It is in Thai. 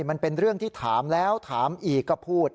มันเป็นเรื่องที่ถามแล้วถามอีกก็พูด